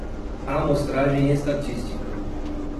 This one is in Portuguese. Amostragem estatística